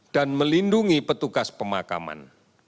dan melindungi petugas pemakaman